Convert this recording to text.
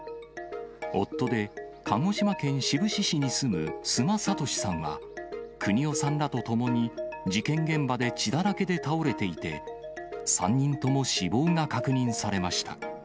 夫で鹿児島県志布志市に住む須磨俊さんは、邦雄さんらと共に事件現場で血だらけで倒れていて、３人とも死亡が確認されました。